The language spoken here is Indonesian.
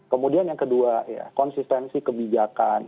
kemudian yang kedua ya konsistensi kebijakan